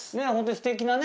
すてきなね